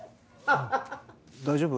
大丈夫？